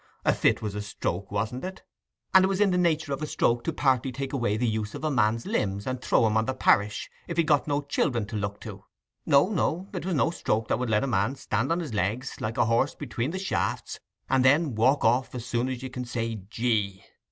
A fit was a stroke, wasn't it? and it was in the nature of a stroke to partly take away the use of a man's limbs and throw him on the parish, if he'd got no children to look to. No, no; it was no stroke that would let a man stand on his legs, like a horse between the shafts, and then walk off as soon as you can say "Gee!"